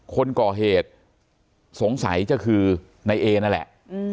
คนก่อเหตุสงสัยจะคือนายเอนั่นแหละ